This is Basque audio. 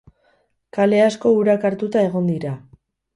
Kale asko urak hartuta egon dira.